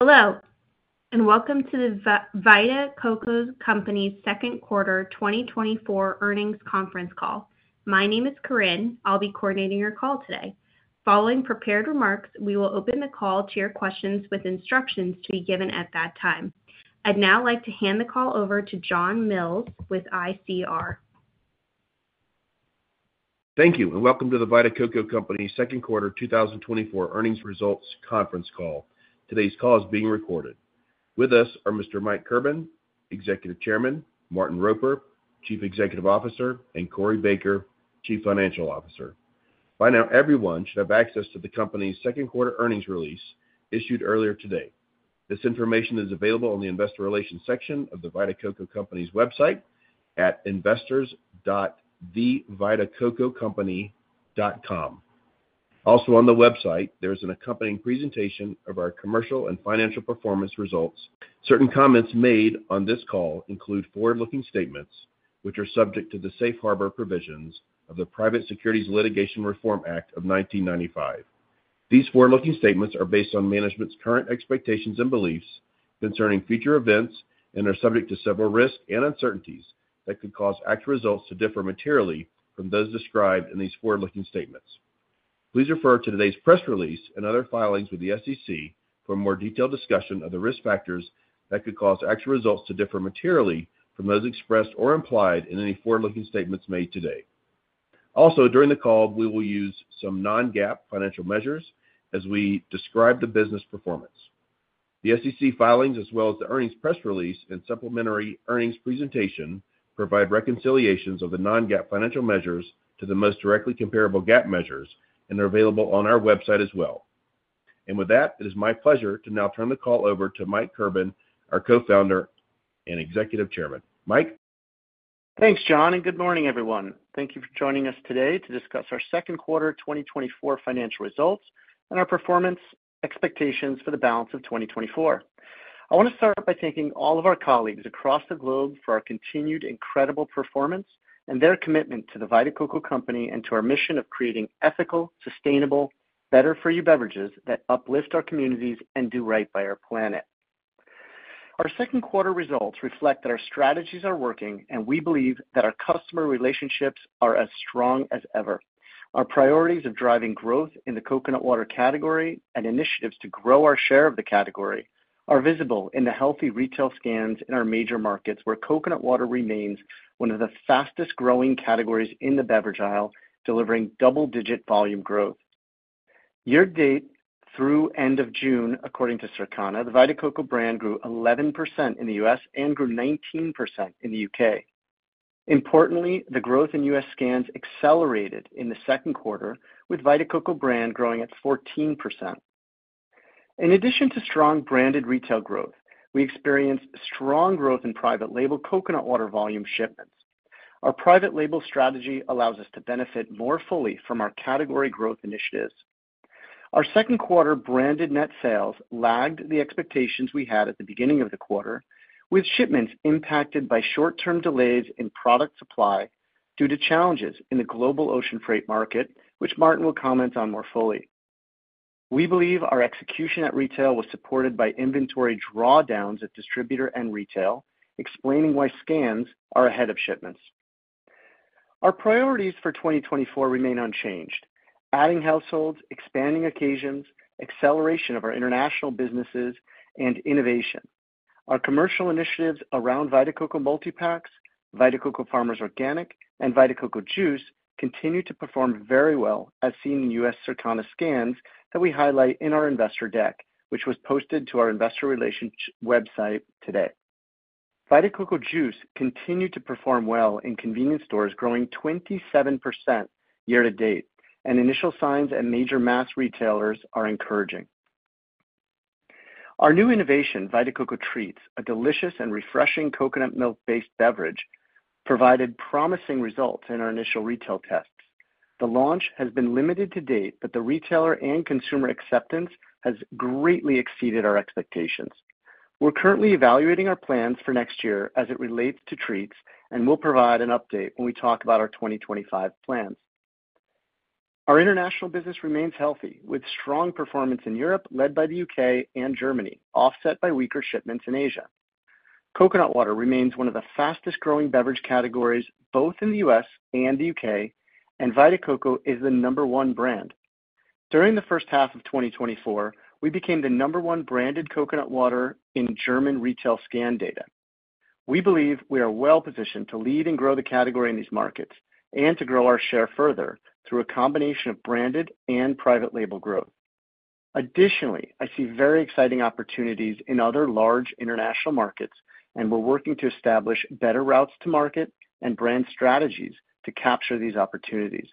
Hello, and welcome to the Vita Coco Company's Second Quarter 2024 Earnings Conference Call. My name is Corinne. I'll be coordinating your call today. Following prepared remarks, we will open the call to your questions, with instructions to be given at that time. I'd now like to hand the call over to John Mills with ICR. Thank you, and welcome to The Vita Coco Company second quarter 2024 earnings results conference call. Today's call is being recorded. With us are Mr. Mike Kirban, Executive Chairman, Martin Roper, Chief Executive Officer, and Corey Baker, Chief Financial Officer. By now, everyone should have access to the company's second quarter earnings release issued earlier today. This information is available on the investor relations section of The Vita Coco Company's website at investors.thevitacococompany.com. Also on the website, there is an accompanying presentation of our commercial and financial performance results. Certain comments made on this call include forward-looking statements, which are subject to the safe harbor provisions of the Private Securities Litigation Reform Act of 1995. These forward-looking statements are based on management's current expectations and beliefs concerning future events and are subject to several risks and uncertainties that could cause actual results to differ materially from those described in these forward-looking statements. Please refer to today's press release and other filings with the SEC for a more detailed discussion of the risk factors that could cause actual results to differ materially from those expressed or implied in any forward-looking statements made today. Also, during the call, we will use some non-GAAP financial measures as we describe the business performance. The SEC filings, as well as the earnings press release and supplementary earnings presentation, provide reconciliations of the non-GAAP financial measures to the most directly comparable GAAP measures and are available on our website as well. With that, it is my pleasure to now turn the call over to Mike Kirban, our Co-founder and Executive Chairman. Mike? Thanks, John, and good morning, everyone. Thank you for joining us today to discuss our second quarter 2024 financial results and our performance expectations for the balance of 2024. I want to start by thanking all of our colleagues across the globe for our continued incredible performance and their commitment to the Vita Coco Company and to our mission of creating ethical, sustainable, better-for-you beverages that uplift our communities and do right by our planet. Our second quarter results reflect that our strategies are working, and we believe that our customer relationships are as strong as ever. Our priorities of driving growth in the coconut water category and initiatives to grow our share of the category are visible in the healthy retail scans in our major markets, where coconut water remains one of the fastest-growing categories in the beverage aisle, delivering double-digit volume growth. Year-to-date, through end of June, according to Circana, the Vita Coco brand grew 11% in the U.S. and grew 19% in the U.K. Importantly, the growth in U.S. scans accelerated in the second quarter, with Vita Coco brand growing at 14%. In addition to strong branded retail growth, we experienced strong growth in private label coconut water volume shipments. Our private label strategy allows us to benefit more fully from our category growth initiatives. Our second quarter branded net sales lagged the expectations we had at the beginning of the quarter, with shipments impacted by short-term delays in product supply due to challenges in the global ocean freight market, which Martin will comment on more fully. We believe our execution at retail was supported by inventory drawdowns at distributor and retail, explaining why scans are ahead of shipments. Our priorities for 2024 remain unchanged: adding households, expanding occasions, acceleration of our international businesses, and innovation. Our commercial initiatives around Vita Coco multi-packs, Vita Coco Farmers Organic, and Vita Coco Juice continue to perform very well, as seen in U.S. Circana scans that we highlight in our investor deck, which was posted to our investor relations website today. Vita Coco Juice continued to perform well in convenience stores, growing 27% year-to-date, and initial signs at major mass retailers are encouraging. Our new innovation, Vita Coco Treats, a delicious and refreshing coconut milk-based beverage, provided promising results in our initial retail tests. The launch has been limited to date, but the retailer and consumer acceptance has greatly exceeded our expectations. We're currently evaluating our plans for next year as it relates to Treats, and we'll provide an update when we talk about our 2025 plans. Our international business remains healthy, with strong performance in Europe, led by the U.K. and Germany, offset by weaker shipments in Asia. Coconut water remains one of the fastest-growing beverage categories, both in the U.S. and the U.K., and Vita Coco is the number one brand. During the first half of 2024, we became the number one branded coconut water in German retail scan data. We believe we are well positioned to lead and grow the category in these markets and to grow our share further through a combination of branded and private label growth. Additionally, I see very exciting opportunities in other large international markets, and we're working to establish better routes to market and brand strategies to capture these opportunities.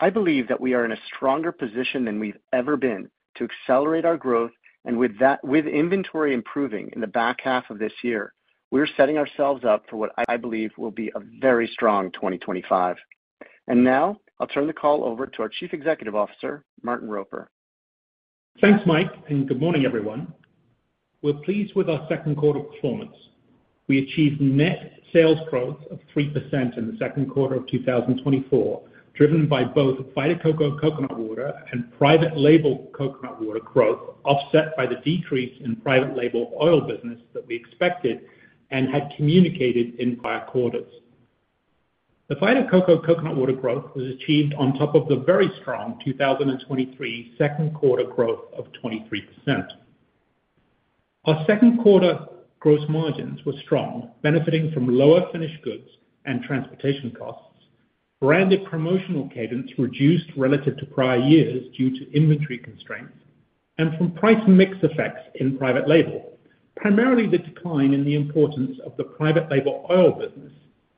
I believe that we are in a stronger position than we've ever been to accelerate our growth, and with that, with inventory improving in the back half of this year, we're setting ourselves up for what I believe will be a very strong 2025. And now, I'll turn the call over to our Chief Executive Officer, Martin Roper. Thanks, Mike, and good morning, everyone. We're pleased with our second quarter performance. ... We achieved net sales growth of 3% in the second quarter of 2024, driven by both Vita Coco Coconut Water and private label coconut water growth, offset by the decrease in private label oil business that we expected and had communicated in prior quarters. The Vita Coco Coconut Water growth was achieved on top of the very strong 2023 second quarter growth of 23%. Our second quarter gross margins were strong, benefiting from lower finished goods and transportation costs. Branded promotional cadence reduced relative to prior years due to inventory constraints, and from price mix effects in private label, primarily the decline in the importance of the private label oil business,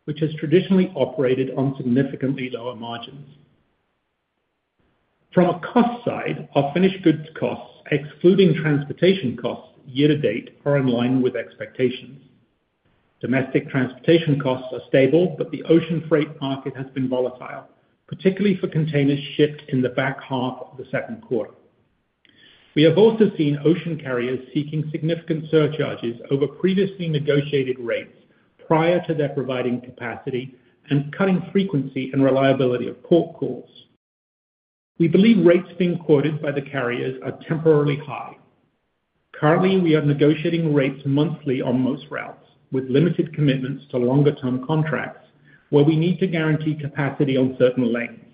which has traditionally operated on significantly lower margins. From a cost side, our finished goods costs, excluding transportation costs year-to-date, are in line with expectations. Domestic transportation costs are stable, but the ocean freight market has been volatile, particularly for containers shipped in the back half of the second quarter. We have also seen ocean carriers seeking significant surcharges over previously negotiated rates prior to their providing capacity and cutting frequency and reliability of port calls. We believe rates being quoted by the carriers are temporarily high. Currently, we are negotiating rates monthly on most routes, with limited commitments to longer-term contracts, where we need to guarantee capacity on certain lengths.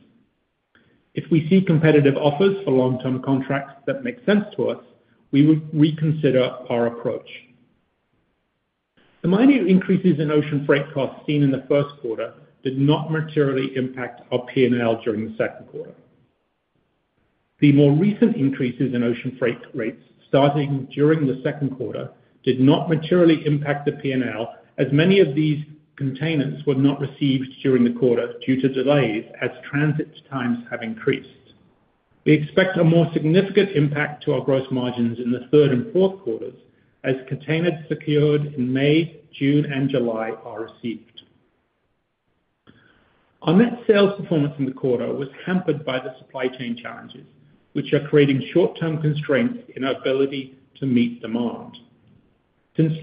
If we see competitive offers for long-term contracts that make sense to us, we would reconsider our approach. The minor increases in ocean freight costs seen in the first quarter did not materially impact our P&L during the second quarter. The more recent increases in ocean freight rates starting during the second quarter did not materially impact the P&L, as many of these containers were not received during the quarter due to delays as transit times have increased. We expect a more significant impact to our gross margins in the third and fourth quarters as containers secured in May, June, and July are received. Our net sales performance in the quarter was hampered by the supply chain challenges, which are creating short-term constraints in our ability to meet demand. Since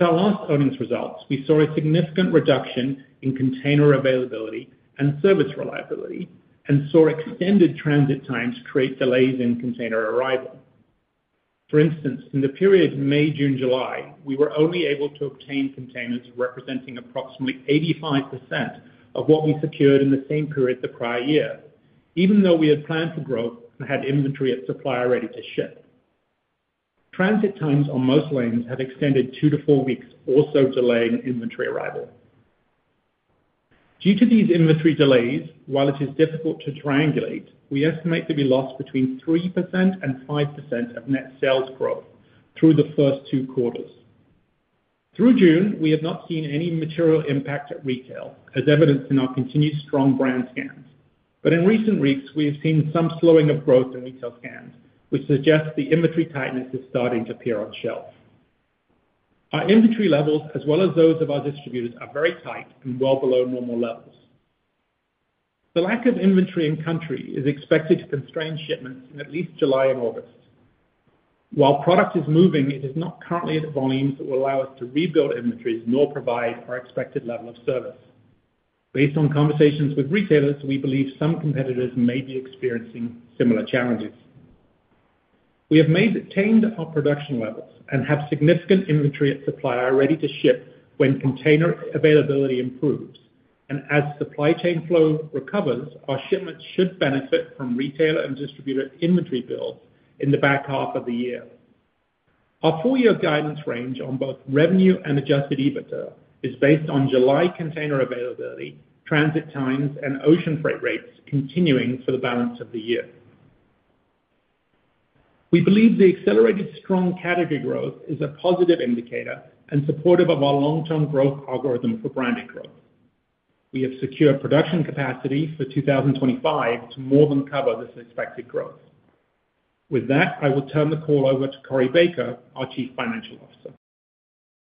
our last earnings results, we saw a significant reduction in container availability and service reliability, and saw extended transit times create delays in container arrival. For instance, in the period of May, June, July, we were only able to obtain containers representing approximately 85% of what we secured in the same period the prior year, even though we had planned for growth and had inventory at supplier ready to ship. Transit times on most lanes have extended 2-4 weeks, also delaying inventory arrival. Due to these inventory delays, while it is difficult to triangulate, we estimate to be lost between 3% and 5% of net sales growth through the first two quarters. Through June, we have not seen any material impact at retail, as evidenced in our continued strong brand scans. But in recent weeks, we have seen some slowing of growth in retail scans, which suggests the inventory tightness is starting to appear on shelf. Our inventory levels, as well as those of our distributors, are very tight and well below normal levels. The lack of inventory in country is expected to constrain shipments in at least July and August. While product is moving, it is not currently at volumes that will allow us to rebuild inventories nor provide our expected level of service. Based on conversations with retailers, we believe some competitors may be experiencing similar challenges. We have maintaned our production levels and have significant inventory at supplier ready to ship when container availability improves. As supply chain flow recovers, our shipments should benefit from retailer and distributor inventory builds in the back half of the year. Our full year guidance range on both revenue and Adjusted EBITDA is based on July container availability, transit times, and ocean freight rates continuing for the balance of the year. We believe the accelerated strong category growth is a positive indicator and supportive of our long-term growth algorithm for branded growth. We have secured production capacity for 2025 to more than cover this expected growth. With that, I will turn the call over to Corey Baker, our Chief Financial Officer.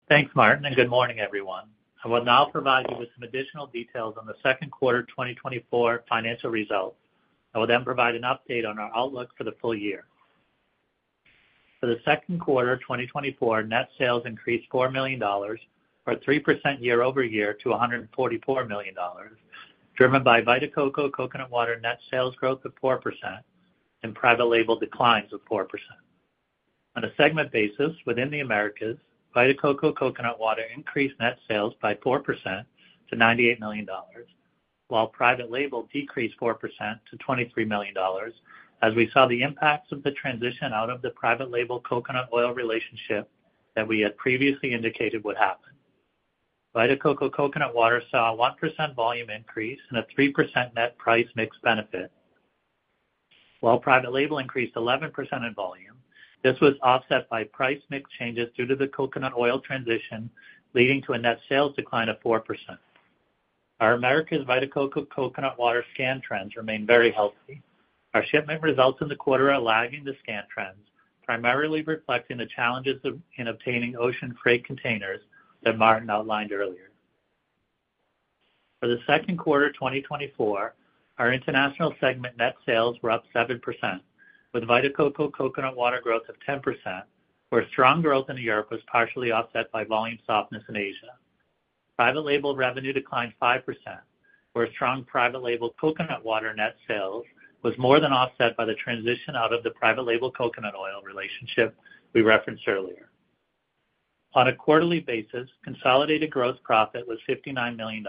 Thanks, Martin, and good morning, everyone. I will now provide you with some additional details on the second quarter 2024 financial results. I will then provide an update on our outlook for the full year. For the second quarter 2024, net sales increased $4 million, or 3% year-over-year, to $144 million, driven by Vita Coco Coconut Water net sales growth of 4% and private label declines of 4%. On a segment basis, within the Americas, Vita Coco Coconut Water increased net sales by 4% to $98 million, while private label decreased 4% to $23 million, as we saw the impacts of the transition out of the private label coconut oil relationship that we had previously indicated would happen. Vita Coco Coconut Water saw a 1% volume increase and a 3% net price mix benefit. While private label increased 11% in volume, this was offset by price mix changes due to the coconut oil transition, leading to a net sales decline of 4%. Our Americas Vita Coco Coconut Water scan trends remain very healthy. Our shipment results in the quarter are lagging the scan trends, primarily reflecting the challenges in obtaining ocean freight containers that Martin outlined earlier. For the second quarter 2024, our international segment net sales were up 7%, with Vita Coco Coconut Water growth of 10%, where strong growth in Europe was partially offset by volume softness in Asia. Private label revenue declined 5%, where strong private label coconut water net sales was more than offset by the transition out of the private label coconut oil relationship we referenced earlier. On a quarterly basis, consolidated gross profit was $59 million,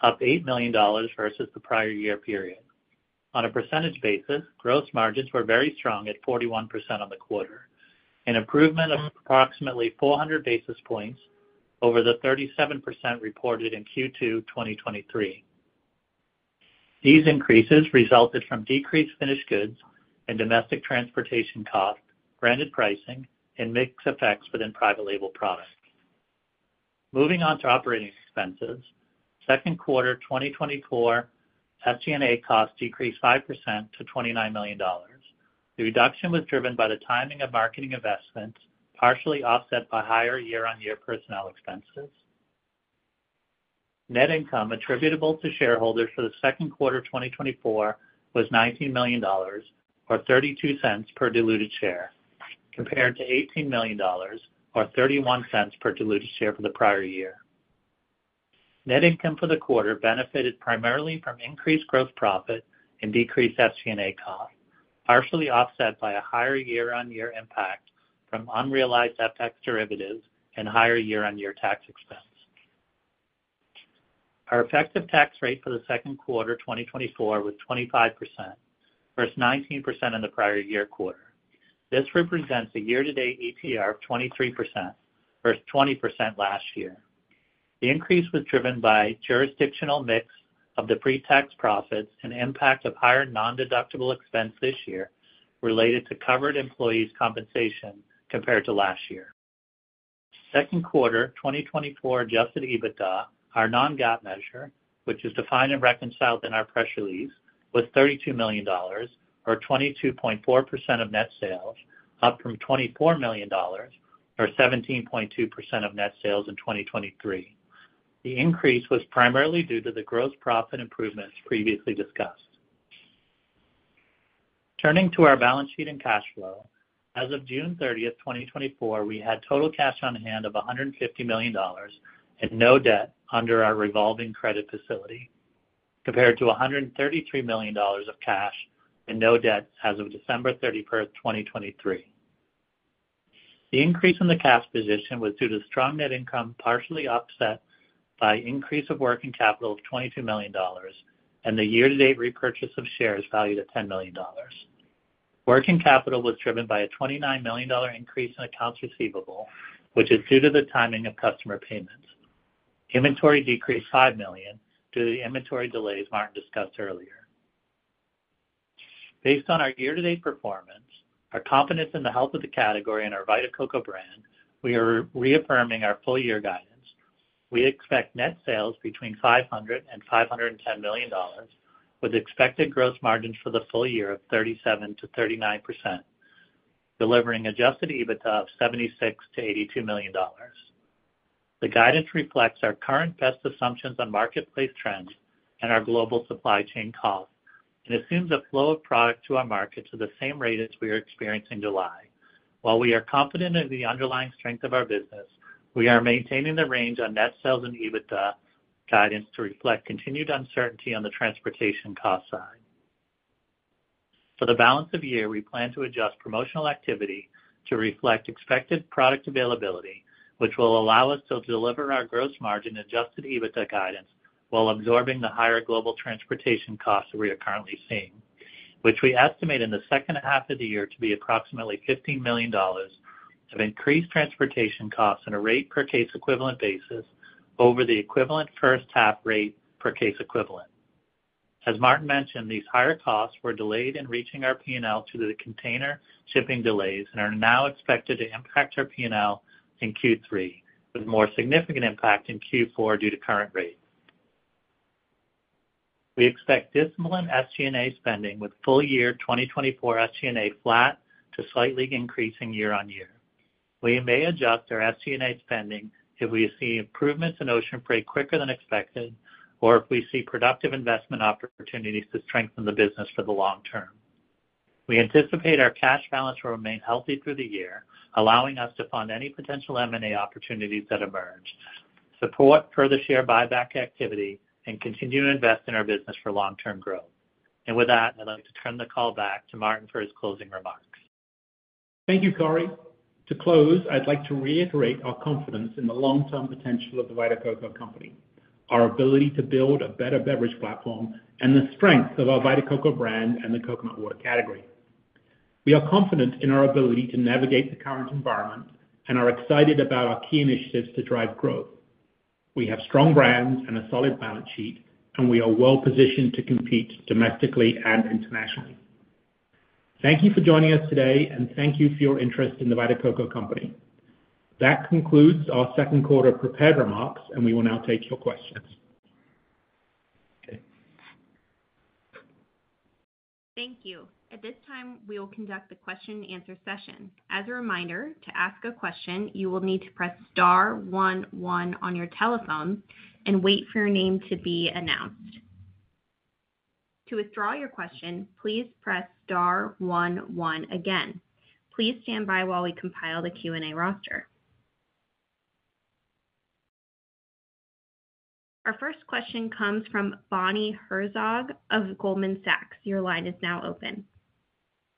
up $8 million versus the prior year period. On a percentage basis, gross margins were very strong at 41% on the quarter, an improvement of approximately 400 basis points over the 37% reported in Q2 2023. These increases resulted from decreased finished goods and domestic transportation costs, branded pricing, and mix effects within private label products. Moving on to operating expenses, second quarter 2024, SG&A costs decreased 5% to $29 million. The reduction was driven by the timing of marketing investments, partially offset by higher year-on-year personnel expenses. Net income attributable to shareholders for the second quarter of 2024 was $19 million, or $0.32 per diluted share, compared to $18 million, or $0.31 per diluted share for the prior year. Net income for the quarter benefited primarily from increased gross profit and decreased SG&A costs, partially offset by a higher year-on-year impact from unrealized FX derivatives and higher year-on-year tax expense. Our effective tax rate for the second quarter 2024 was 25% versus 19% in the prior year quarter. This represents a year-to-date ETR of 23% versus 20% last year. The increase was driven by jurisdictional mix of the pre-tax profits and impact of higher nondeductible expense this year related to covered employees' compensation compared to last year. Second quarter 2024 Adjusted EBITDA, our Non-GAAP measure, which is defined and reconciled in our press release, was $32 million, or 22.4% of net sales, up from $24 million, or 17.2% of net sales in 2023. The increase was primarily due to the gross profit improvements previously discussed. Turning to our balance sheet and cash flow. As of June 30th, 2024, we had total cash on hand of $150 million and no debt under our revolving credit facility, compared to $133 million of cash and no debt as of December 31, 2023. The increase in the cash position was due to strong net income, partially offset by increase of working capital of $22 million and the year-to-date repurchase of shares valued at $10 million. Working capital was driven by a $29 million increase in accounts receivable, which is due to the timing of customer payments. Inventory decreased $5 million due to the inventory delays Martin discussed earlier. Based on our year-to-date performance, our confidence in the health of the category and our Vita Coco brand, we are reaffirming our full year guidance. We expect net sales between $500 million and $510 million, with expected gross margins for the full year of 37%-39%, delivering Adjusted EBITDA of $76 million-$82 million. The guidance reflects our current best assumptions on marketplace trends and our global supply chain costs and assumes a flow of product to our markets at the same rate as we are experiencing July. While we are confident in the underlying strength of our business, we are maintaining the range on net sales and EBITDA guidance to reflect continued uncertainty on the transportation cost side. For the balance of the year, we plan to adjust promotional activity to reflect expected product availability, which will allow us to deliver our gross margin adjusted EBITDA guidance while absorbing the higher global transportation costs that we are currently seeing, which we estimate in the second half of the year to be approximately $15 million of increased transportation costs on a rate per case equivalent basis over the equivalent first half rate per case equivalent. As Martin mentioned, these higher costs were delayed in reaching our P&L due to the container shipping delays and are now expected to impact our P&L in Q3, with more significant impact in Q4 due to current rates. We expect disciplined SG&A spending with full year 2024 SG&A flat to slightly increasing year-on-year. We may adjust our SG&A spending if we see improvements in ocean freight quicker than expected or if we see productive investment opportunities to strengthen the business for the long term. We anticipate our cash balance will remain healthy through the year, allowing us to fund any potential M&A opportunities that emerge, support further share buyback activity, and continue to invest in our business for long-term growth. With that, I'd like to turn the call back to Martin for his closing remarks. Thank you, Corey. To close, I'd like to reiterate our confidence in the long-term potential of the Vita Coco Company, our ability to build a better beverage platform, and the strength of our Vita Coco brand and the coconut water category. We are confident in our ability to navigate the current environment and are excited about our key initiatives to drive growth. We have strong brands and a solid balance sheet, and we are well positioned to compete domestically and internationally. Thank you for joining us today, and thank you for your interest in the Vita Coco Company. That concludes our second quarter prepared remarks, and we will now take your questions. Okay. ...Thank you. At this time, we will conduct a question and answer session. As a reminder, to ask a question, you will need to press star one one on your telephone and wait for your name to be announced. To withdraw your question, please press star one one again. Please stand by while we compile the Q&A roster. Our first question comes from Bonnie Herzog of Goldman Sachs. Your line is now open.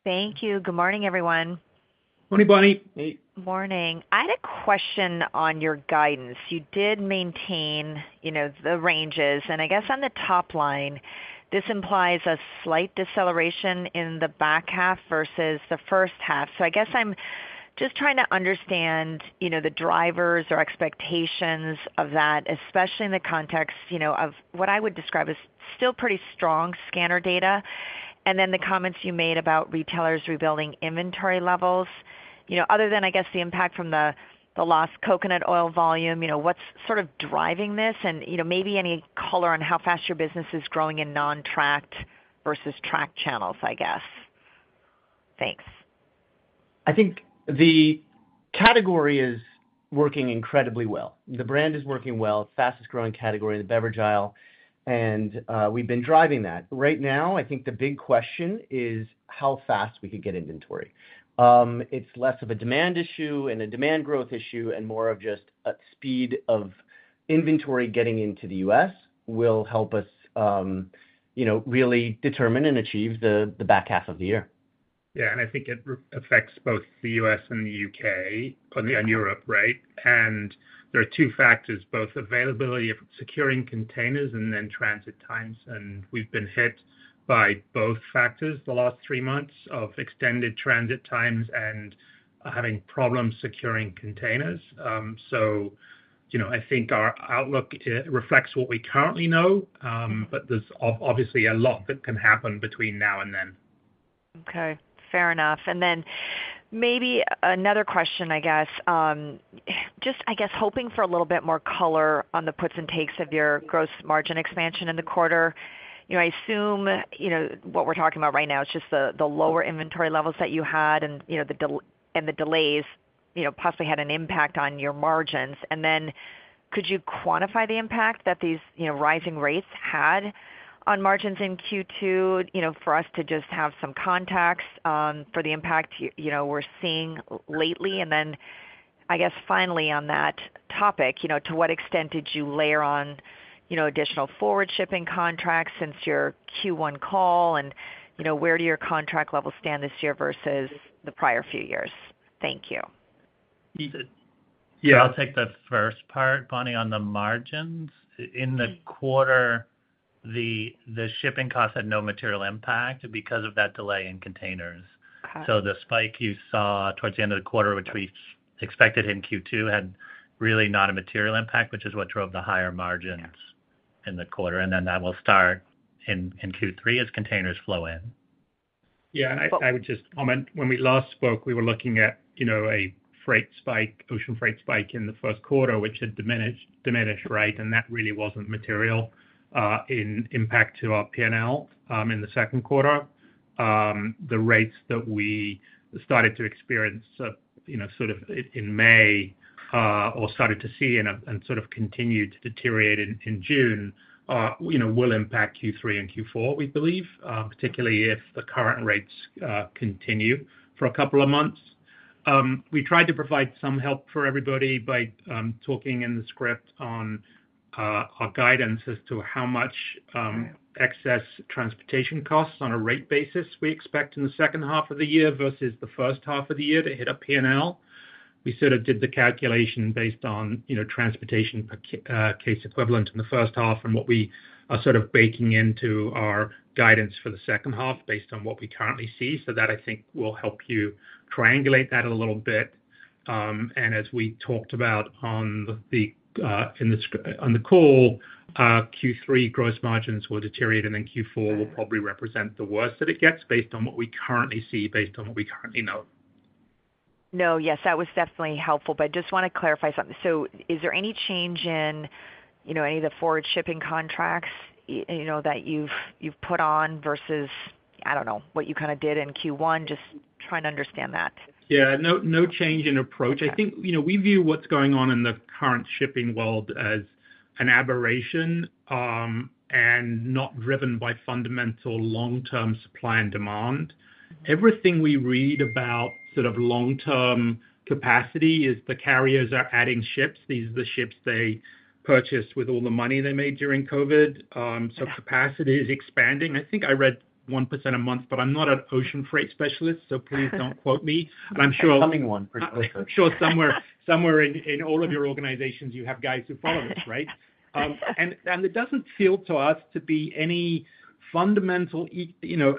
Thank you. Good morning, everyone. Morning, Bonnie. Hey. Morning. I had a question on your guidance. You did maintain, you know, the ranges, and I guess on the top line, this implies a slight deceleration in the back half versus the first half. So I guess I'm just trying to understand, you know, the drivers or expectations of that, especially in the context, you know, of what I would describe as still pretty strong scanner data, and then the comments you made about retailers rebuilding inventory levels. You know, other than, I guess, the impact from the, the lost coconut oil volume, you know, what's sort of driving this? And, you know, maybe any color on how fast your business is growing in non-tracked versus tracked channels, I guess. Thanks. I think the category is working incredibly well. The brand is working well, fastest growing category in the beverage aisle, and we've been driving that. Right now, I think the big question is how fast we can get inventory. It's less of a demand issue and a demand growth issue and more of just a speed of inventory getting into the U.S. will help us, you know, really determine and achieve the back half of the year. Yeah, and I think it affects both the U.S. and the U.K. and Europe, right? And there are two factors, both availability of securing containers and then transit times, and we've been hit by both factors the last three months of extended transit times and having problems securing containers. So you know, I think our outlook, it reflects what we currently know, but there's obviously a lot that can happen between now and then. Okay. Fair enough. And then maybe another question, I guess, just, I guess, hoping for a little bit more color on the puts and takes of your gross margin expansion in the quarter. You know, I assume, you know, what we're talking about right now is just the lower inventory levels that you had and, you know, the delays, you know, possibly had an impact on your margins. And then could you quantify the impact that these, you know, rising rates had on margins in Q2, you know, for us to just have some context, for the impact, you know, we're seeing lately? And then, I guess finally, on that topic, you know, to what extent did you layer on, you know, additional forward shipping contracts since your Q1 call, and, you know, where do your contract levels stand this year versus the prior few years? Thank you. Yeah. I'll take the first part, Bonnie, on the margins. In the quarter, the shipping costs had no material impact because of that delay in containers. Okay. So the spike you saw towards the end of the quarter, which we expected in Q2, had really not a material impact, which is what drove the higher margins. Okay in the quarter, and then that will start in Q3 as containers flow in. Yeah, and I would just comment, when we last spoke, we were looking at, you know, a freight spike, ocean freight spike in the first quarter, which had diminished, right? And that really wasn't material in impact to our P&L in the second quarter. The rates that we started to experience, you know, sort of in May or started to see and sort of continued to deteriorate in June, you know, will impact Q3 and Q4, we believe, particularly if the current rates continue for a couple of months. We tried to provide some help for everybody by talking in the script on our guidance as to how much excess transportation costs on a rate basis we expect in the second half of the year versus the first half of the year to hit our P&L. We sort of did the calculation based on, you know, transportation case equivalent in the first half and what we are sort of baking into our guidance for the second half, based on what we currently see. So that, I think, will help you triangulate that a little bit. And as we talked about on the call, Q3 gross margins will deteriorate, and then Q4 will probably represent the worst that it gets, based on what we currently see, based on what we currently know. No, yes, that was definitely helpful, but I just want to clarify something. So is there any change in, you know, any of the forward shipping contracts, you know, that you've put on versus, I don't know, what you kind of did in Q1? Just trying to understand that. Yeah, no, no change in approach. Okay. I think, you know, we view what's going on in the current shipping world as an aberration, and not driven by fundamental long-term supply and demand. Everything we read about sort of long-term capacity is the carriers are adding ships. These are the ships they purchased with all the money they made during COVID. So capacity is expanding. I think I read 1% a month, but I'm not an ocean freight specialist, so please don't quote me. But I'm sure- Coming one pretty soon. I'm sure somewhere in all of your organizations, you have guys who follow this, right? And it doesn't feel to us to be any fundamental, you know,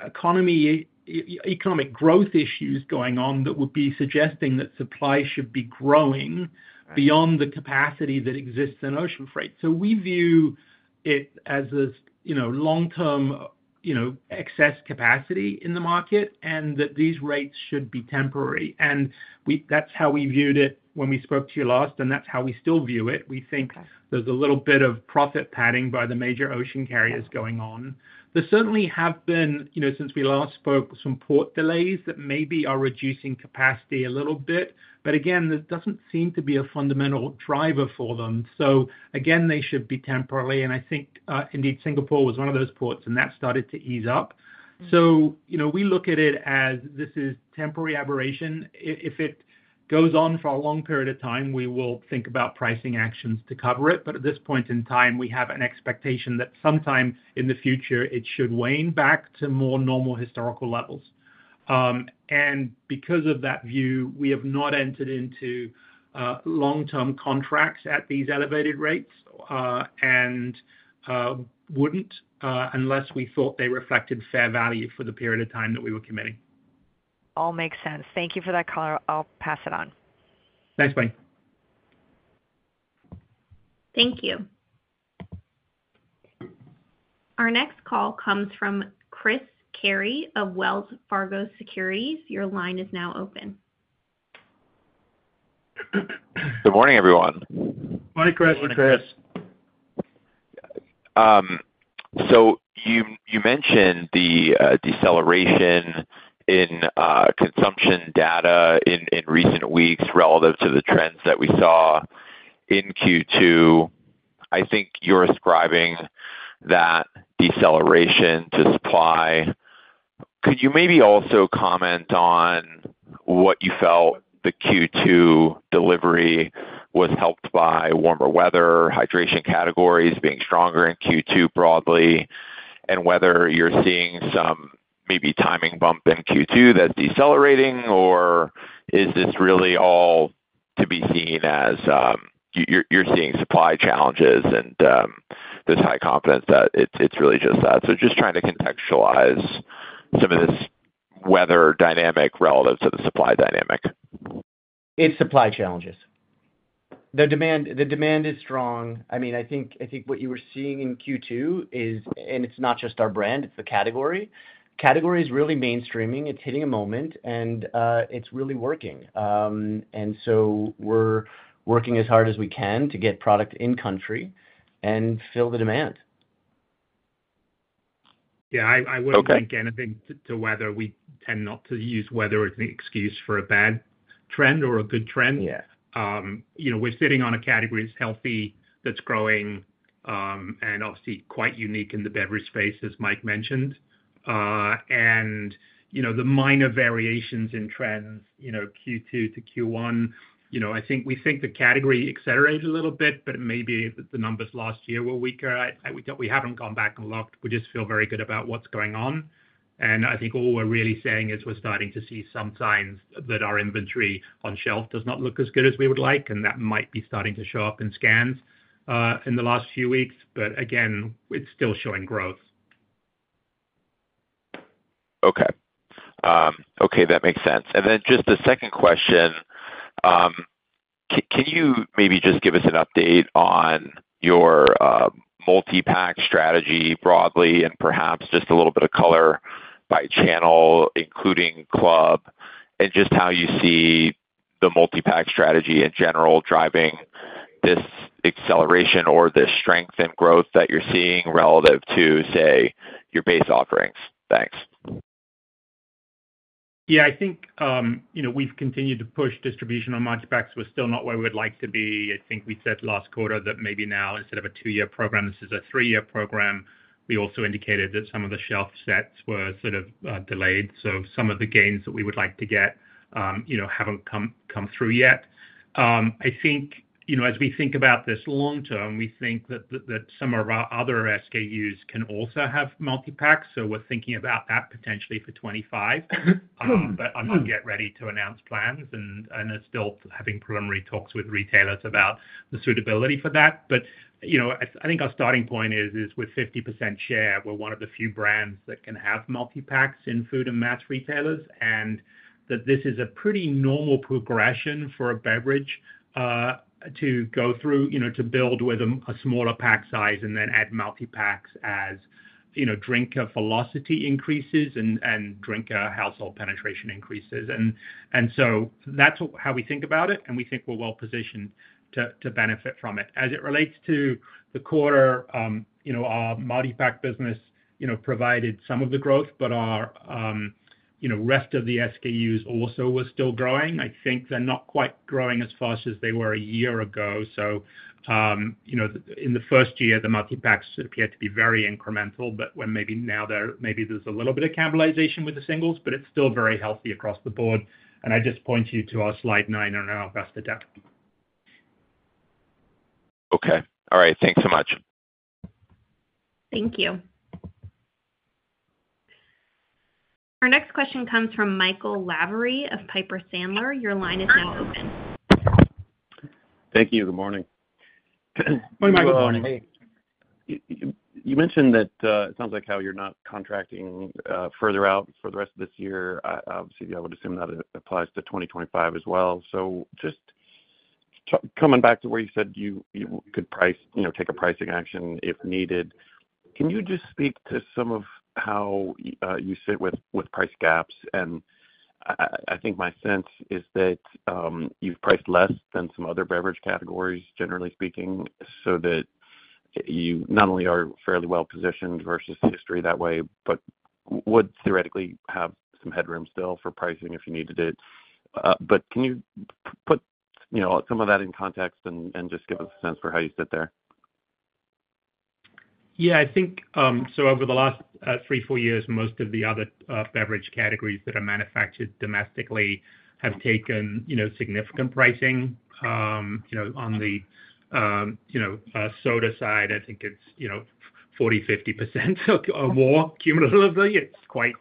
economic growth issues going on that would be suggesting that supply should be growing- Right... beyond the capacity that exists in ocean freight. So we view it as a, you know, long-term, you know, excess capacity in the market and that these rates should be temporary. And we- that's how we viewed it when we spoke to you last, and that's how we still view it. Okay. We think there's a little bit of profit padding by the major ocean carriers going on. There certainly have been, you know, since we last spoke, some port delays that maybe are reducing capacity a little bit. But again, this doesn't seem to be a fundamental driver for them. So again, they should be temporarily, and I think, indeed, Singapore was one of those ports, and that started to ease up. Mm. So, you know, we look at it as this is temporary aberration. If it goes on for a long period of time, we will think about pricing actions to cover it. But at this point in time, we have an expectation that sometime in the future, it should wane back to more normal historical levels... And because of that view, we have not entered into long-term contracts at these elevated rates, and wouldn't unless we thought they reflected fair value for the period of time that we were committing. All makes sense. Thank you for that color. I'll pass it on. Thanks, Mike. Thank you. Our next call comes from Chris Carey of Wells Fargo Securities. Your line is now open. Good morning, everyone. Morning, Chris. Good morning, Chris. So you mentioned the deceleration in consumption data in recent weeks relative to the trends that we saw in Q2. I think you're ascribing that deceleration to supply. Could you maybe also comment on what you felt the Q2 delivery was helped by warmer weather, hydration categories being stronger in Q2 broadly, and whether you're seeing some maybe timing bump in Q2 that's decelerating, or is this really all to be seen as you're seeing supply challenges and there's high confidence that it's really just that? So just trying to contextualize some of this weather dynamic relative to the supply dynamic. It's supply challenges. The demand, the demand is strong. I mean, I think, I think what you were seeing in Q2 is, and it's not just our brand, it's the category. Category is really mainstreaming, it's hitting a moment, and it's really working. And so we're working as hard as we can to get product in country and fill the demand. Yeah, I wouldn't- Okay. Link anything to weather. We tend not to use weather as an excuse for a bad trend or a good trend. Yeah. You know, we're sitting on a category that's healthy, that's growing, and obviously quite unique in the beverage space, as Mike mentioned. And, you know, the minor variations in trends, you know, Q2 to Q1, you know, I think we think the category accelerated a little bit, but maybe the numbers last year were weaker. We, we haven't gone back and looked. We just feel very good about what's going on, and I think all we're really saying is we're starting to see some signs that our inventory on shelf does not look as good as we would like, and that might be starting to show up in scans, in the last few weeks. But again, it's still showing growth. Okay. Okay, that makes sense. And then just a second question. Can you maybe just give us an update on your multi-pack strategy broadly and perhaps just a little bit of color by channel, including club, and just how you see the multi-pack strategy in general driving this acceleration or this strength and growth that you're seeing relative to, say, your base offerings? Thanks. Yeah, I think, you know, we've continued to push distribution on multi-packs. We're still not where we'd like to be. I think we said last quarter that maybe now, instead of a two-year program, this is a three-year program. We also indicated that some of the shelf sets were sort of delayed. So some of the gains that we would like to get, you know, haven't come through yet. I think, you know, as we think about this long term, we think that some of our other SKUs can also have multi-packs, so we're thinking about that potentially for 2025. But I'm not yet ready to announce plans, and it's still having preliminary talks with retailers about the suitability for that. But, you know, I think our starting point is with 50% share, we're one of the few brands that can have multi-packs in food and mass retailers, and that this is a pretty normal progression for a beverage to go through, you know, to build with a smaller pack size and then add multi-packs as, you know, drinker velocity increases and drinker household penetration increases. And so that's how we think about it, and we think we're well positioned to benefit from it. As it relates to the quarter, you know, our multi-pack business, you know, provided some of the growth, but our, you know, rest of the SKUs also was still growing. I think they're not quite growing as fast as they were a year ago. You know, in the first year, the multi-packs appeared to be very incremental, but when maybe now there, maybe there's a little bit of cannibalization with the singles, but it's still very healthy across the board. I just point you to our slide nine on our investor deck. Okay. All right, thanks so much. Thank you. Our next question comes from Michael Lavery of Piper Sandler. Your line is now open. Thank you. Good morning. Good morning, Michael. Good morning. You mentioned that it sounds like how you're not contracting further out for the rest of this year. Obviously, I would assume that applies to 2025 as well. So just coming back to where you said you could price, you know, take a pricing action if needed, can you just speak to some of how you sit with price gaps? And I think my sense is that you've priced less than some other beverage categories, generally speaking, so that you not only are fairly well positioned versus history that way, but would theoretically have some headroom still for pricing if you needed it. But can you put, you know, some of that in context and just give us a sense for how you sit there? Yeah, I think, so over the last three, four years, most of the other beverage categories that are manufactured domestically have taken, you know, significant pricing. You know, on the soda side, I think it's, you know, 40%-50% or more cumulatively. It's quite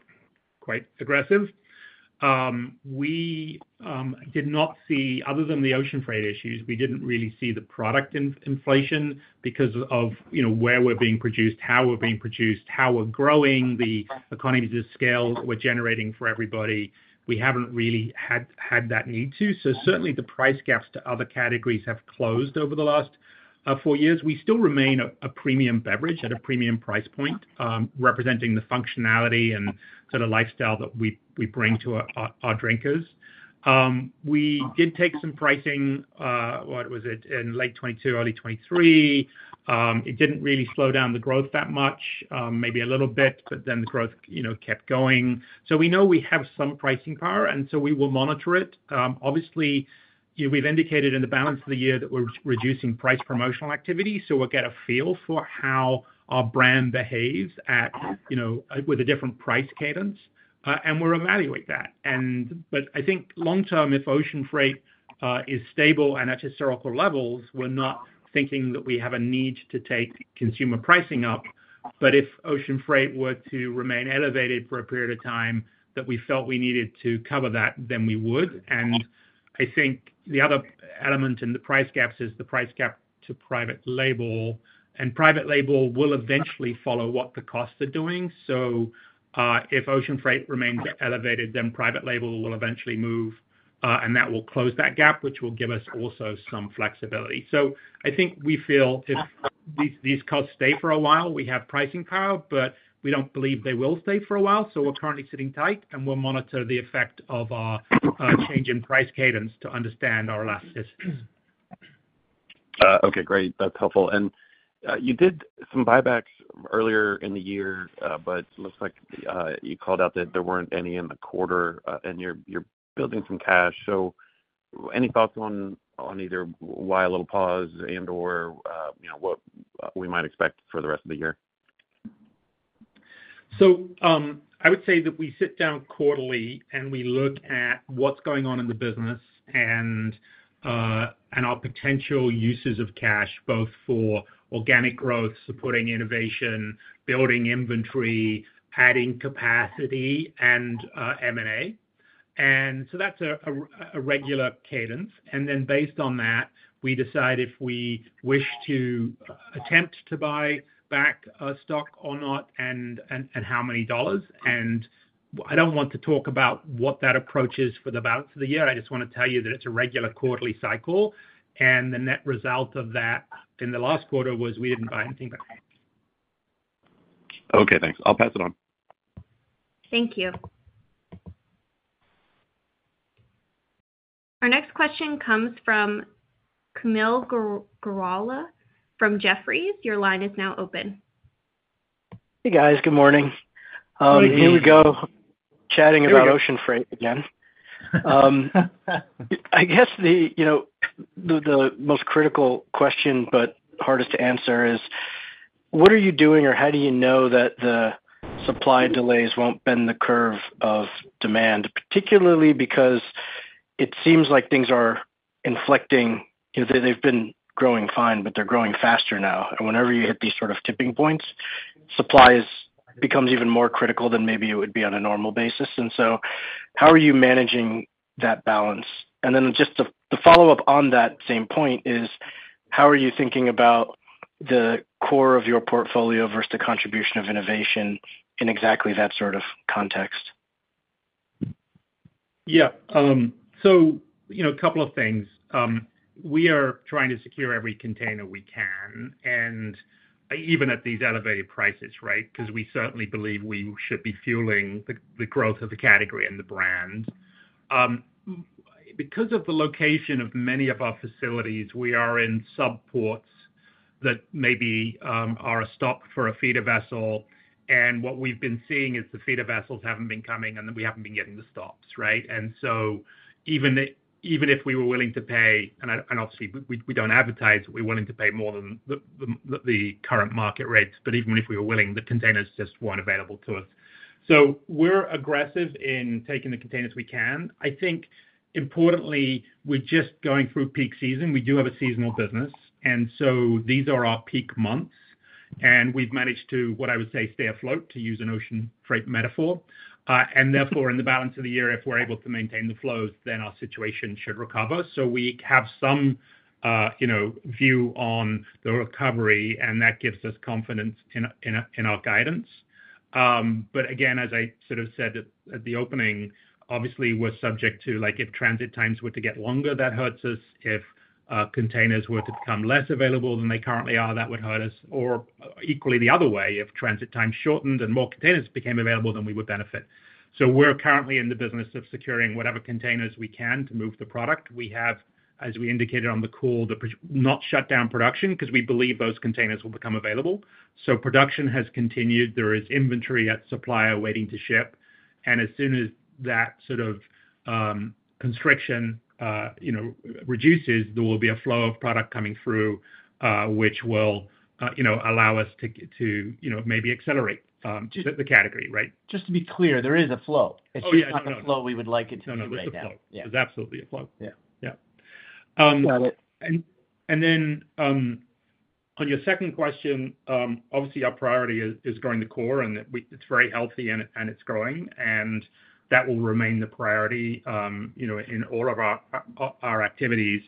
aggressive. We did not see, other than the ocean freight issues, we didn't really see the product inflation because of, you know, where we're being produced, how we're being produced, how we're growing, the economies of scale we're generating for everybody. We haven't really had that need to. So certainly, the price gaps to other categories have closed over the last four years. We still remain a premium beverage at a premium price point, representing the functionality and sort of lifestyle that we bring to our drinkers. We did take some pricing, what was it? In late 2022, early 2023. It didn't really slow down the growth that much, maybe a little bit, but then the growth, you know, kept going. So we know we have some pricing power, and so we will monitor it. Obviously, you know, we've indicated in the balance of the year that we're reducing price promotional activity, so we'll get a feel for how our brand behaves at, you know, with a different price cadence, and we'll evaluate that. But I think long term, if ocean freight is stable and at historical levels, we're not thinking that we have a need to take consumer pricing up. But if ocean freight were to remain elevated for a period of time that we felt we needed to cover that, then we would. And I think the other element in the price gaps is the price gap to private label, and private label will eventually follow what the costs are doing. So, if ocean freight remains elevated, then private label will eventually move, and that will close that gap, which will give us also some flexibility. So I think we feel if these, these costs stay for a while, we have pricing power, but we don't believe they will stay for a while, so we're currently sitting tight, and we'll monitor the effect of our, change in price cadence to understand our elasticity. Okay, great. That's helpful. And you did some buybacks earlier in the year, but looks like you called out that there weren't any in the quarter, and you're building some cash. So any thoughts on either why a little pause and/or you know what we might expect for the rest of the year? So, I would say that we sit down quarterly, and we look at what's going on in the business and our potential uses of cash, both for organic growth, supporting innovation, building inventory, adding capacity, and M&A. And so that's a regular cadence, and then based on that, we decide if we wish to attempt to buy back stock or not, and how many dollars. And I don't want to talk about what that approach is for the balance of the year. I just want to tell you that it's a regular quarterly cycle, and the net result of that in the last quarter was we didn't buy anything back. Okay, thanks. I'll pass it on. Thank you. Our next question comes from Kaumil Gajrawala from Jefferies. Your line is now open. Hey, guys. Good morning. Good morning. Here we go, chatting about- Here we go.... ocean freight again. I guess the, you know, the, the most critical question, but hardest to answer is: What are you doing, or how do you know that the supply delays won't bend the curve of demand? Particularly because it seems like things are inflicting-- you know, they've been growing fine, but they're growing faster now. And whenever you hit these sort of tipping points, supplies becomes even more critical than maybe it would be on a normal basis, and so how are you managing that balance? And then just the, the follow-up on that same point is: How are you thinking about the core of your portfolio versus the contribution of innovation in exactly that sort of context? Yeah. So, you know, a couple of things. We are trying to secure every container we can, and even at these elevated prices, right? 'Cause we certainly believe we should be fueling the growth of the category and the brand. Because of the location of many of our facilities, we are in subports that maybe are a stop for a feeder vessel, and what we've been seeing is the feeder vessels haven't been coming, and then we haven't been getting the stops, right? And so even if we were willing to pay, and obviously we don't advertise, we're willing to pay more than the current market rates, but even if we were willing, the containers just weren't available to us. So we're aggressive in taking the containers we can. I think importantly, we're just going through peak season. We do have a seasonal business, and so these are our peak months, and we've managed to, what I would say, stay afloat, to use an ocean freight metaphor. And therefore, in the balance of the year, if we're able to maintain the flows, then our situation should recover. So we have some, you know, view on the recovery, and that gives us confidence in our guidance. But again, as I sort of said at the opening, obviously, we're subject to, like, if transit times were to get longer, that hurts us. If containers were to become less available than they currently are, that would hurt us. Or equally, the other way, if transit time shortened and more containers became available, then we would benefit. So we're currently in the business of securing whatever containers we can to move the product. We have, as we indicated on the call, not shut down production, 'cause we believe those containers will become available. So production has continued. There is inventory at supplier waiting to ship, and as soon as that sort of constriction, you know, reduces, there will be a flow of product coming through, which will, you know, allow us to, to, you know, maybe accelerate just the category, right? Just to be clear, there is a flow. Oh, yeah. It's just not the flow we would like it to be right now. No, there's a flow. Yeah. There's absolutely a flow. Yeah. Yeah. Um- Got it. On your second question, obviously our priority is growing the core, and it's very healthy, and it's growing, and that will remain the priority, you know, in all of our activities.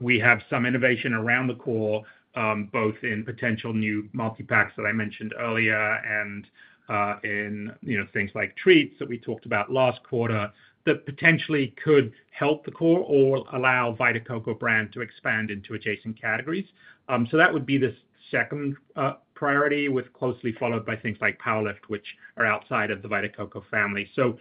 We have some innovation around the core, both in potential new multi-packs that I mentioned earlier, and in, you know, things like treats that we talked about last quarter, that potentially could help the core or allow Vita Coco brand to expand into adjacent categories. So that would be the second priority, with closely followed by things like PWR LIFT, which are outside of the Vita Coco family. So,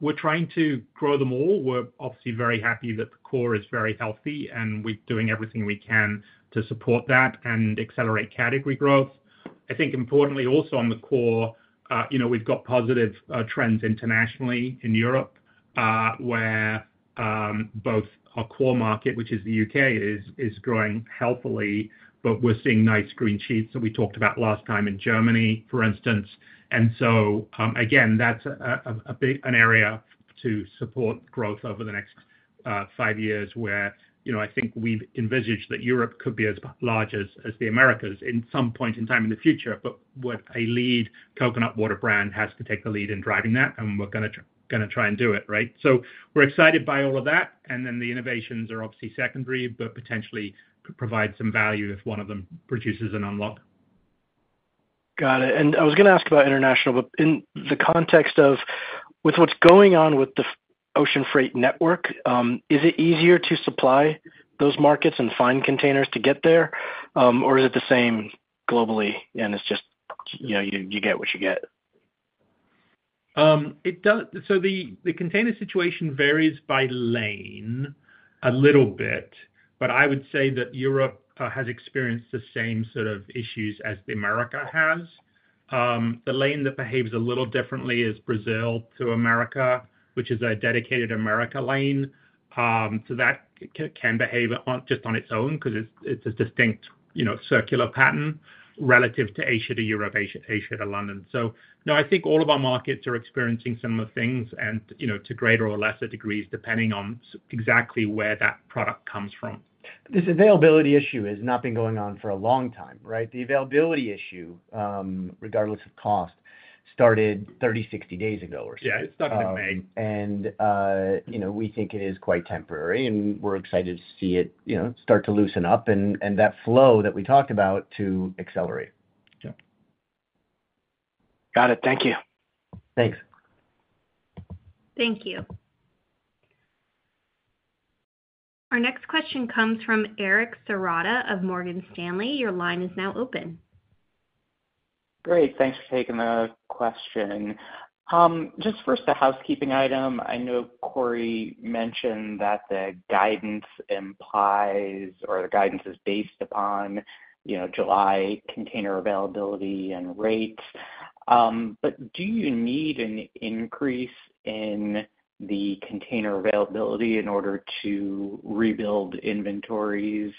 we're trying to grow them all. We're obviously very happy that the core is very healthy, and we're doing everything we can to support that and accelerate category growth. I think importantly, also, on the core, you know, we've got positive trends internationally in Europe, where both our core market, which is the U.K., is growing healthily, but we're seeing nice green shoots that we talked about last time in Germany, for instance. And so, again, that's a big area to support growth over the next five years, where, you know, I think we've envisaged that Europe could be as large as the Americas in some point in time in the future. But the leading coconut water brand has to take the lead in driving that, and we're gonna try and do it, right? So we're excited by all of that, and then the innovations are obviously secondary, but potentially could provide some value if one of them produces an unlock. Got it. And I was gonna ask about international, but in the context of, with what's going on with the ocean freight network, is it easier to supply those markets and find containers to get there, or is it the same globally, and it's just, you know, you, you get what you get? So the container situation varies by lane a little bit, but I would say that Europe has experienced the same sort of issues as America has. The lane that behaves a little differently is Brazil to America, which is a dedicated America lane. So that can behave just on its own, 'cause it's a distinct, you know, circular pattern relative to Asia to Europe, Asia, Asia to London. So no, I think all of our markets are experiencing similar things and, you know, to greater or lesser degrees, depending on exactly where that product comes from. This availability issue has not been going on for a long time, right? The availability issue, regardless of cost, started 30, 60 days ago or so. Yeah, it started in May. You know, we think it is quite temporary, and we're excited to see it, you know, start to loosen up and that flow that we talked about to accelerate. Yeah. Got it. Thank you. Thanks. Thank you. Our next question comes from Eric Serotta of Morgan Stanley. Your line is now open. Great, thanks for taking the question. Just first, a housekeeping item. I know Corey mentioned that the guidance implies or the guidance is based upon, you know, July container availability and rates. But do you need an increase in the container availability in order to rebuild inventories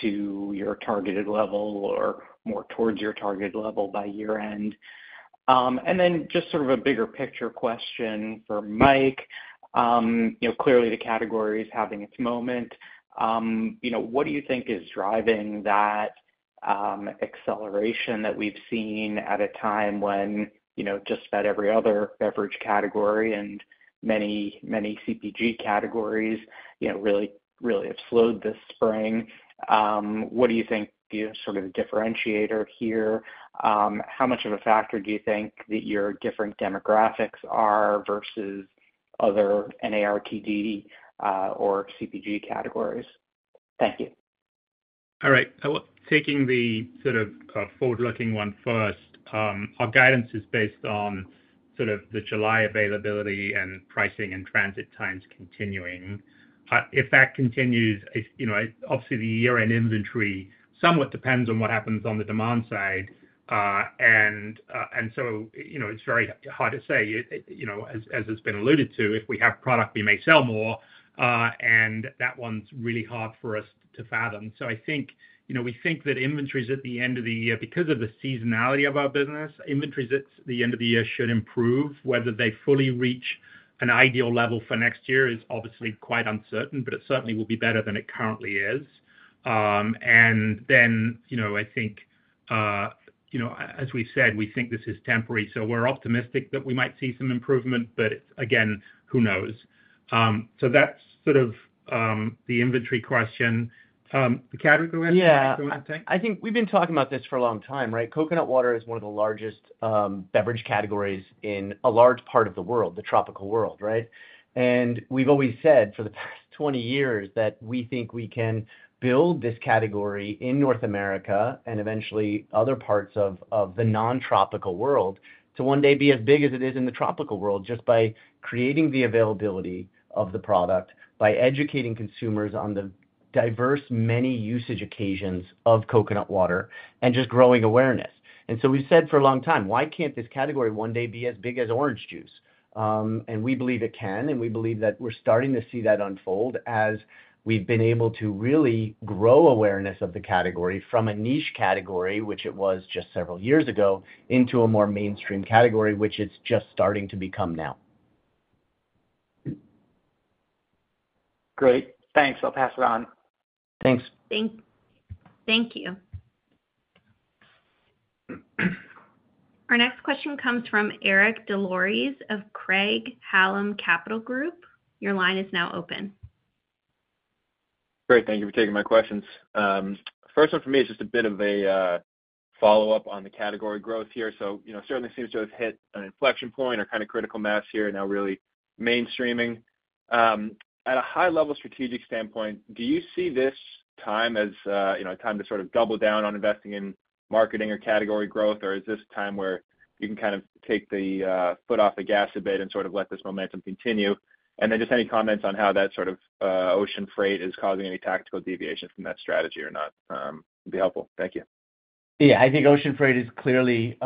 to your targeted level or more towards your targeted level by year-end? And then just sort of a bigger picture question for Mike. You know, clearly, the category is having its moment. You know, what do you think is driving that acceleration that we've seen at a time when, you know, just about every other beverage category and many, many CPG categories, you know, really, really have slowed this spring? What do you think is sort of the differentiator here? How much of a factor do you think that your different demographics are versus other NARTD, or CPG categories? Thank you. All right. Well, taking the sort of forward-looking one first, our guidance is based on sort of the July availability and pricing and transit times continuing. If that continues, it, you know, obviously, the year-end inventory somewhat depends on what happens on the demand side. And so, you know, it's very hard to say. It, you know, as, as it's been alluded to, if we have product, we may sell more, and that one's really hard for us to fathom. So I think, you know, we think that inventories at the end of the year... Because of the seasonality of our business, inventories at the end of the year should improve. Whether they fully reach an ideal level for next year is obviously quite uncertain, but it certainly will be better than it currently is. And then, you know, I think, you know, as we've said, we think this is temporary, so we're optimistic that we might see some improvement, but again, who knows? So that's sort of the inventory question. The category question, you want to take? Yeah. I think we've been talking about this for a long time, right? Coconut water is one of the largest beverage categories in a large part of the world, the tropical world, right? We've always said, for the past 20 years, that we think we can build this category in North America and eventually other parts of the non-tropical world, to one day be as big as it is in the tropical world, just by creating the availability of the product, by educating consumers on the diverse, many usage occasions of coconut water, and just growing awareness. We've said for a long time, "Why can't this category one day be as big as orange juice?" and we believe it can, and we believe that we're starting to see that unfold as we've been able to really grow awareness of the category from a niche category, which it was just several years ago, into a more mainstream category, which it's just starting to become now.... Great, thanks. I'll pass it on. Thanks. Thank you. Our next question comes from Eric Des Lauriers of Craig-Hallum Capital Group. Your line is now open. Great, thank you for taking my questions. First one for me is just a bit of a, follow-up on the category growth here. You know, certainly seems to have hit an inflection point or kind of critical mass here, now really mainstreaming. At a high level strategic standpoint, do you see this time as, you know, a time to sort of double down on investing in marketing or category growth, or is this a time where you can kind of take the, foot off the gas a bit and sort of let this momentum continue? And then just any comments on how that sort of, ocean freight is causing any tactical deviations from that strategy or not, would be helpful. Thank you. Yeah, I think ocean freight is clearly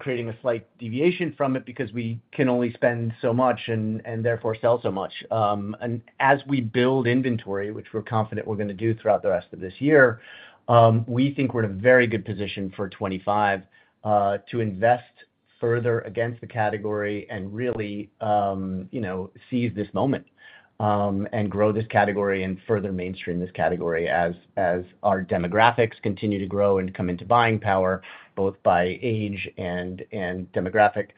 creating a slight deviation from it because we can only spend so much and therefore sell so much. And as we build inventory, which we're confident we're going to do throughout the rest of this year, we think we're in a very good position for 2025 to invest further against the category and really, you know, seize this moment and grow this category and further mainstream this category as our demographics continue to grow and come into buying power, both by age and demographic.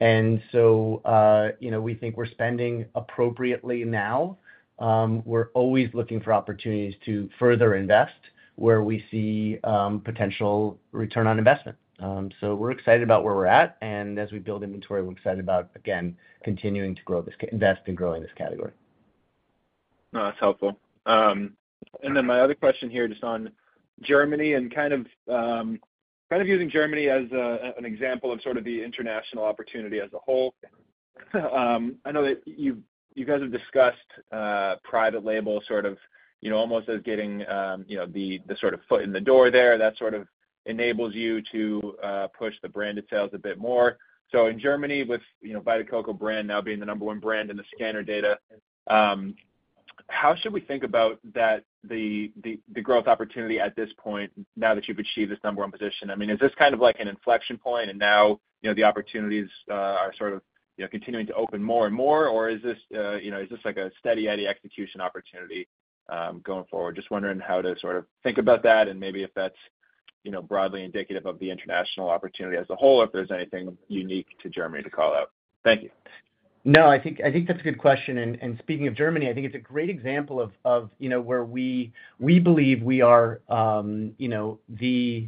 And so, you know, we think we're spending appropriately now. We're always looking for opportunities to further invest where we see potential return on investment. We're excited about where we're at, and as we build inventory, we're excited about, again, continuing to invest in growing this category. No, that's helpful. And then my other question here, just on Germany and kind of, kind of using Germany as a, an example of sort of the international opportunity as a whole. I know that you guys have discussed, private label sort of, you know, almost as getting, you know, the sort of foot in the door there, that sort of enables you to, push the branded sales a bit more. So in Germany, with, you know, Vita Coco brand now being the number one brand in the scanner data, how should we think about that, the growth opportunity at this point, now that you've achieved this number one position? I mean, is this kind of like an inflection point, and now, you know, the opportunities, are sort of, you know, continuing to open more and more, or is this, you know, is this like a Steady Eddie execution opportunity, going forward? Just wondering how to sort of think about that and maybe if that's, you know, broadly indicative of the international opportunity as a whole, if there's anything unique to Germany to call out. Thank you. No, I think, I think that's a good question, and, and speaking of Germany, I think it's a great example of, of, you know, where we, we believe we are, you know, the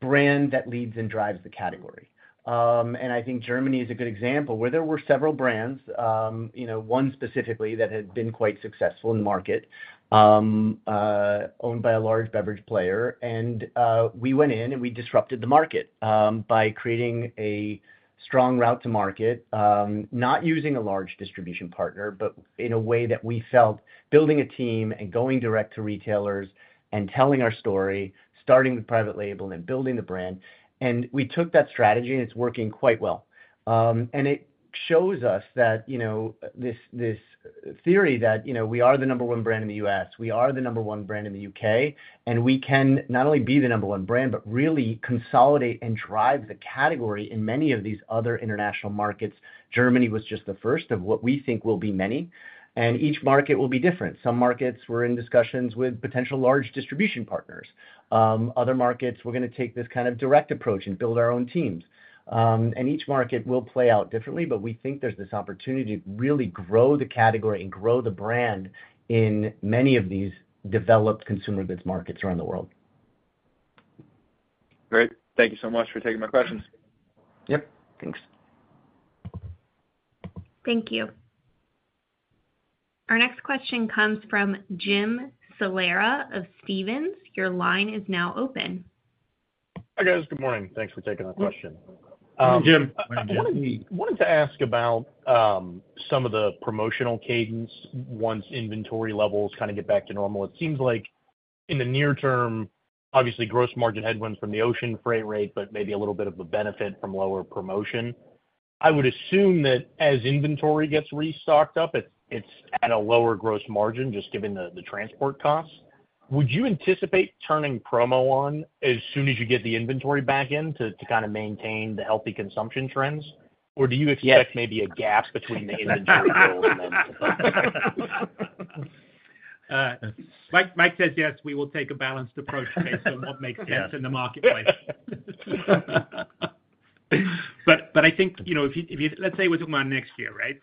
brand that leads and drives the category. And I think Germany is a good example, where there were several brands, one specifically that had been quite successful in the market, owned by a large beverage player. And, we went in, and we disrupted the market, by creating a strong route to market, not using a large distribution partner, but in a way that we felt building a team and going direct to retailers and telling our story, starting with private label and then building the brand. And we took that strategy, and it's working quite well. And it shows us that, you know, this, this theory that, you know, we are the number one brand in the U.S., we are the number one brand in the U.K., and we can not only be the number one brand, but really consolidate and drive the category in many of these other international markets. Germany was just the first of what we think will be many, and each market will be different. Some markets we're in discussions with potential large distribution partners. Other markets, we're gonna take this kind of direct approach and build our own teams. And each market will play out differently, but we think there's this opportunity to really grow the category and grow the brand in many of these developed consumer goods markets around the world. Great. Thank you so much for taking my questions. Yep. Thanks. Thank you. Our next question comes from Jim Salera of Stephens. Your line is now open. Hi, guys. Good morning. Thanks for taking our question. Good morning, Jim. I wanted to ask about some of the promotional cadence once inventory levels kind of get back to normal. It seems like in the near term, obviously, gross margin headwinds from the ocean freight rate, but maybe a little bit of a benefit from lower promotion. I would assume that as inventory gets restocked up, it's at a lower gross margin, just given the transport costs. Would you anticipate turning promo on as soon as you get the inventory back in to kind of maintain the healthy consumption trends? Yes. Or do you expect maybe a gap between the inventory build and then... Mike, Mike says, yes, we will take a balanced approach based on what makes sense in the marketplace. But I think, you know, if you... Let's say we're talking about next year, right?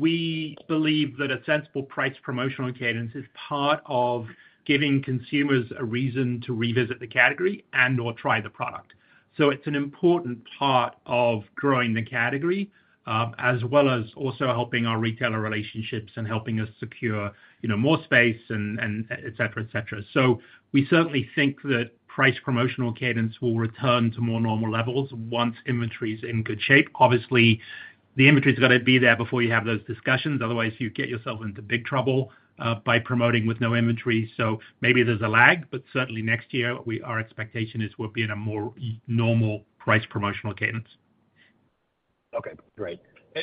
We believe that a sensible price promotional cadence is part of giving consumers a reason to revisit the category and/or try the product. So it's an important part of growing the category, as well as also helping our retailer relationships and helping us secure, you know, more space and et cetera, et cetera. So we certainly think that price promotional cadence will return to more normal levels once inventory is in good shape. Obviously, the inventory's got to be there before you have those discussions. Otherwise, you get yourself into big trouble by promoting with no inventory. So maybe there's a lag, but certainly next year, our expectation is we'll be in a more normal price promotional cadence. Okay, great.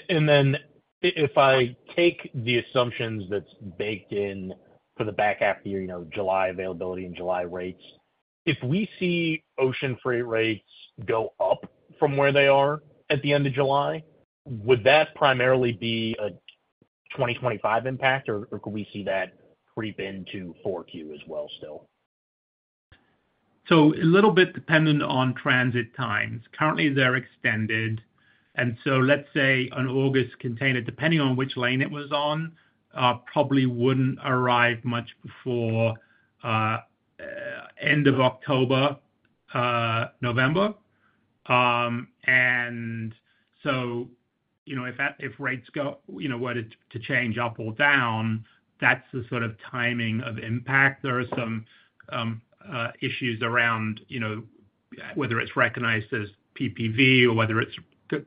And then if I take the assumptions that's baked in for the back half of the year, you know, July availability and July rates. If we see ocean freight rates go up from where they are at the end of July, would that primarily be a 2025 impact, or, or could we see that creep into 4Q as well still? So a little bit dependent on transit times. Currently, they're extended, and so let's say an August container, depending on which lane it was on, probably wouldn't arrive much before end of October, November. And so, you know, if rates go, you know, were to change up or down, that's the sort of timing of impact. There are some issues around, you know, whether it's recognized as PPV or whether it's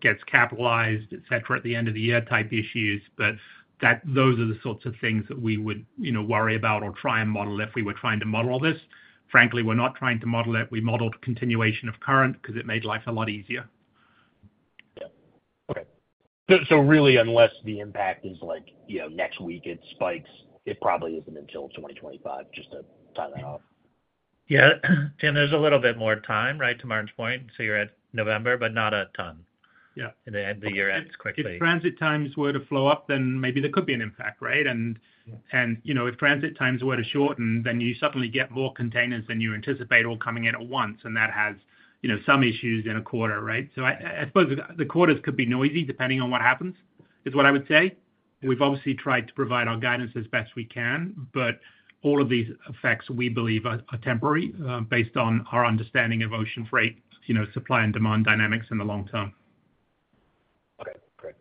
gets capitalized, et cetera, at the end of the year type issues. But those are the sorts of things that we would, you know, worry about or try and model if we were trying to model all this. Frankly, we're not trying to model it. We modeled continuation of current, 'cause it made life a lot easier. Yeah. Okay. So really, unless the impact is like, you know, next week it spikes, it probably isn't until 2025, just to tie that off. Yeah. Jim, there's a little bit more time, right, to Martin's point, so you're at November, but not a ton. Yeah. The end of the year ends quickly. If transit times were to flow up, then maybe there could be an impact, right? And, Yeah. You know, if transit times were to shorten, then you suddenly get more containers than you anticipate all coming in at once, and that has, you know, some issues in a quarter, right? So I suppose the quarters could be noisy, depending on what happens, is what I would say. We've obviously tried to provide our guidance as best we can, but all of these effects, we believe, are temporary, based on our understanding of ocean freight, you know, supply and demand dynamics in the long term. Okay, great.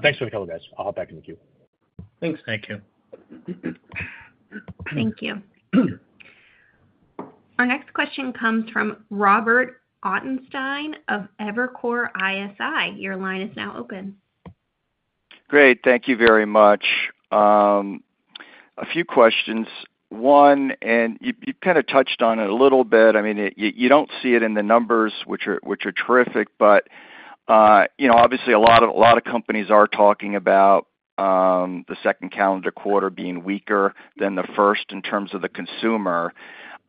Thanks for the call, guys. I'll hop back in the queue. Thanks. Thank you. Thank you. Our next question comes from Robert Ottenstein of Evercore ISI. Your line is now open. Great, thank you very much. A few questions. One, and you kind of touched on it a little bit. I mean, you don't see it in the numbers, which are terrific, but you know, obviously a lot of companies are talking about the second calendar quarter being weaker than the first, in terms of the consumer.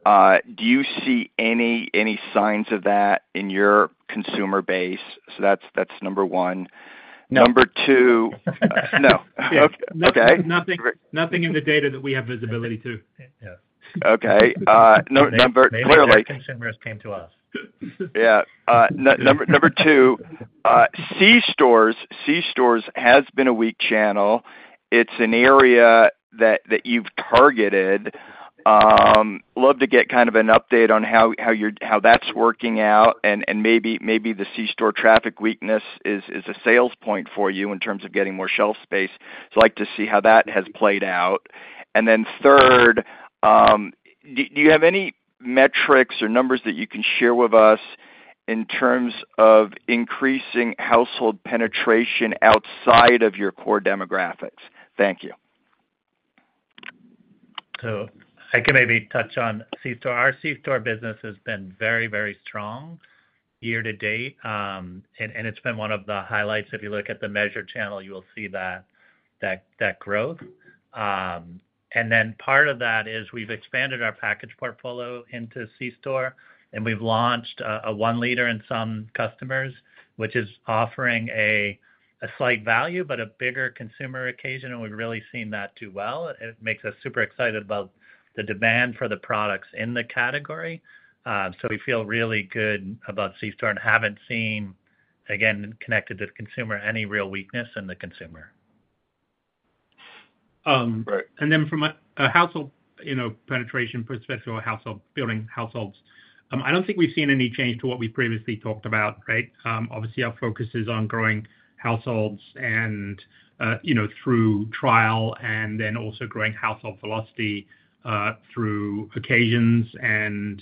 Do you see any signs of that in your consumer base? So that's number one. No. Number two—no. Okay. Nothing, nothing in the data that we have visibility to. Yeah. Okay, number clearly. Consumers came to us. Yeah. Number two, C-stores. C-stores has been a weak channel. It's an area that you've targeted. Love to get kind of an update on how you're, how that's working out, and maybe the C-store traffic weakness is a sales point for you in terms of getting more shelf space. So I'd like to see how that has played out. And then third, do you have any metrics or numbers that you can share with us in terms of increasing household penetration outside of your core demographics? Thank you. So I can maybe touch on C-store. Our C-store business has been very, very strong year-to-date, and it's been one of the highlights. If you look at the measured channel, you will see that growth. And then part of that is we've expanded our package portfolio into C-store, and we've launched a 1 L in some customers, which is offering a slight value, but a bigger consumer occasion, and we've really seen that do well. It makes us super excited about the demand for the products in the category. So we feel really good about C-store and haven't seen, again, connected to the consumer, any real weakness in the consumer. Um, right. And then from a household, you know, penetration, perspective, household-building households, I don't think we've seen any change to what we previously talked about, right? Obviously our focus is on growing households and, you know, through trial and then also growing household velocity, through occasions and,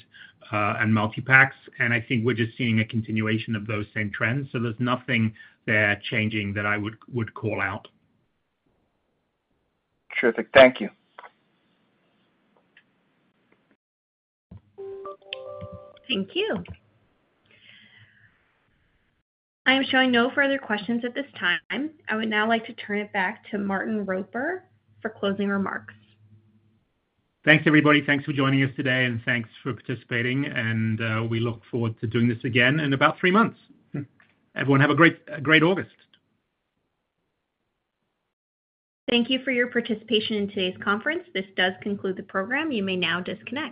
and multipacks. And I think we're just seeing a continuation of those same trends, so there's nothing there changing that I would call out. Terrific. Thank you. Thank you. I am showing no further questions at this time. I would now like to turn it back to Martin Roper for closing remarks. Thanks, everybody. Thanks for joining us today, and thanks for participating, and we look forward to doing this again in about three months. Mm-hmm. Everyone, have a great, great August. Thank you for your participation in today's conference. This does conclude the program. You may now disconnect.